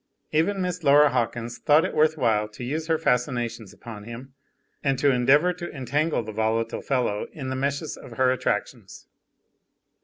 Even Miss Laura Hawkins thought it worth while to use her fascinations upon him, and to endeavor to entangle the volatile fellow in the meshes of her attractions.